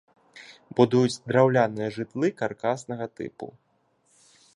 Будуюць драўляныя жытлы каркаснага тыпу.